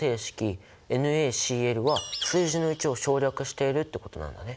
ＮａＣｌは数字の１を省略しているってことなんだね。